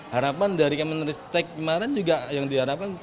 harapan dari kemenristek kemarin juga yang diharapkan